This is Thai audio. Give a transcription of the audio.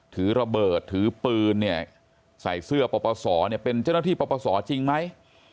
ถือระเบิดถือปืนเนี่ยใส่เสื้อปปศเนี่ยเป็นเจ้าหน้าที่ปปศจริงไหม